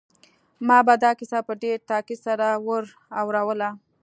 ما به دا کیسه په ډېر تاکید سره ور اوروله